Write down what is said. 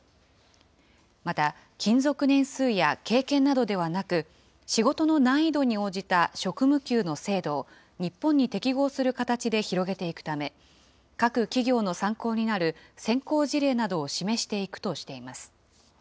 また、勤続年数や経験などではなく、仕事の難易度に応じた職務給の制度を、日本に適合する形で広げていくため、各企業の参考になる先行事例などを示していくとしています。